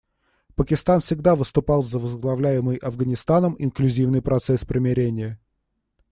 Пакистан всегда выступал за возглавляемый Афганистаном инклюзивный процесс примирения.